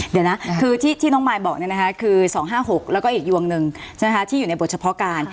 เดี๋ยวนะคือที่น้องมายบอกคือ๒๕๖แล้วก็อีกยวงหนึ่งที่อยู่ในบทเฉพาะการ